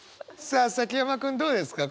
さあ崎山君どうですか？